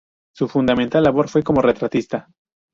Su fundamental labor fue como retratista.